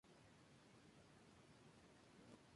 Hay dos modalidades, llamadas "a braza" y "a pierna".